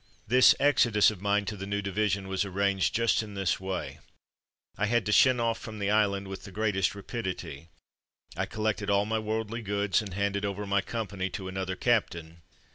This exodus of mine to the new division was arranged just in this way. I had to shin 38 Handing Over 39 off from the island with the greatest rapidity. I collected all my worldly goods, and handed over my company to another captain.